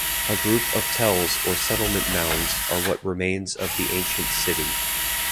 A group of tells or settlement mounds are what remains of the ancient city.